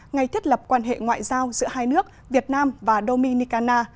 ngày thiết lập quan hệ ngoại giao giữa hai nước việt nam và dominicana